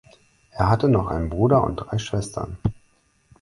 Er hatte noch einen Bruder und drei Schwestern.